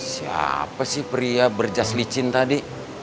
siapa sih pria berjas licin tadi